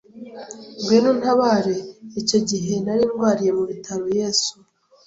ngwino untabare( icyo gihe nari ndwariye mu bitaro) Yesu